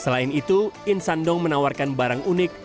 selain itu insan dong menawarkan barang unik